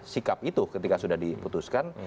sikap itu ketika sudah diputuskan